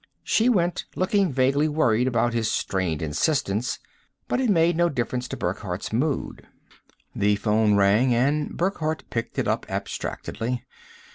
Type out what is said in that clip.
She went, looking vaguely worried about his strained insistence, but it made no difference to Burckhardt's mood. The phone rang and Burckhardt picked it up abstractedly.